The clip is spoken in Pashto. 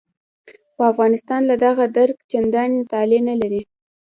خو افغانستان له دغه درکه چندانې طالع نه لري.